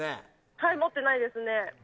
はい、持ってないですね。